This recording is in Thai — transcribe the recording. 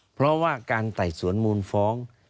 เพราะว่าการไต่สวนมูลฟ้อง